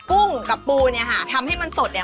กุ้งกับปูเนี่ยค่ะทำให้มันสดเนี่ย